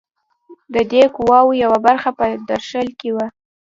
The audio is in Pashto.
د دې قواوو یوه برخه په درشل کې وه.